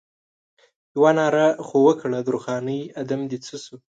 یوه ناره خو وکړه درخانۍ ادم دې څه شو؟